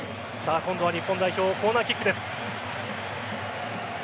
今度は日本代表コーナーキックです。